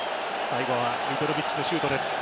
最後はミトロヴィッチのシュートです。